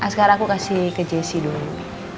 sekarang aku kasih ke jesse dulu